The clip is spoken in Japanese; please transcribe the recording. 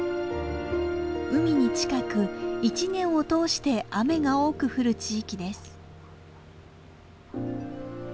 海に近く一年を通して雨が多く降る地域です。